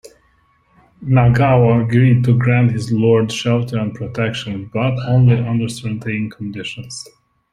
Nagao agreed to grant his lord shelter and protection, but only under certain conditions.